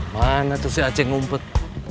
mana tuh si aceh ngumpet